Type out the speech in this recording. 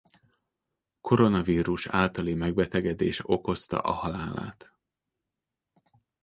Koronavírus általi megbetegedés okozta a halálát.